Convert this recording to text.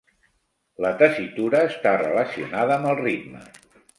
La tessitura està relacionada amb el ritme.